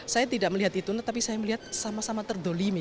saya tidak melihat itu tetapi saya melihat sama sama terdolimi